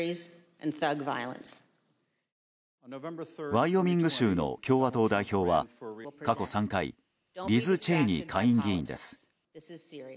ワイオミング州の共和党代表は過去３回リズ・チェイニー下院議員です。